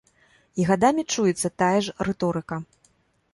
І гадамі чуецца тая ж рыторыка.